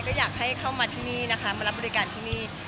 ก็อยากให้เข้ามาที่นี่นะคะมารับบริการที่นี่